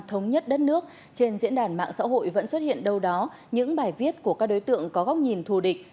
thống nhất đất nước trên diễn đàn mạng xã hội vẫn xuất hiện đâu đó những bài viết của các đối tượng có góc nhìn thù địch